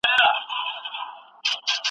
ځنګل د زمرو څخه خالي نه وي